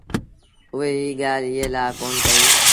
اُئي ايٚ ڳآل ايٚئي لآ ڪون ڪئيٚ